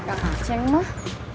yang anjing mah